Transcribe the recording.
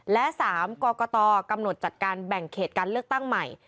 และ๓กรกตกำหนดจัดการแบ่งเขตการเลือกตั้งใหม่